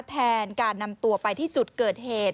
แทนการนำตัวไปที่จุดเกิดเหตุ